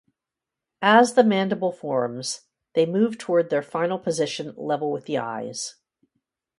As the mandible forms they move towards their final position level with the eyes.